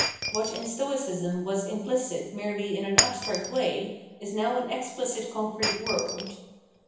What in Stoicism was imphcit merely in an abstract way, is now an exphcit con crete world.